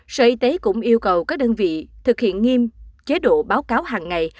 sở y tế cũng yêu cầu các đơn vị thực hiện nghiêm chế độ báo cáo hàng ngày